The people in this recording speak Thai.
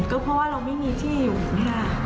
ก็เพราะว่าเราไม่มีที่อยู่ค่ะ